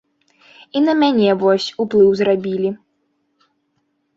І на мяне вось уплыў зрабілі.